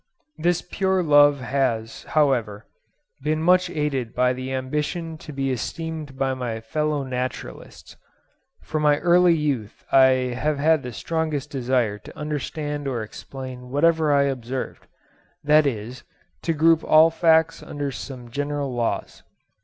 This pure love has, however, been much aided by the ambition to be esteemed by my fellow naturalists. From my early youth I have had the strongest desire to understand or explain whatever I observed,—that is, to group all facts under some general laws.